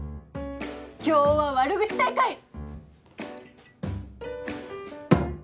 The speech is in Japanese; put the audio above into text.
今日は悪口大会！